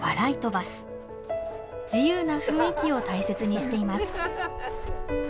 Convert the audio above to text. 自由な雰囲気を大切にしています。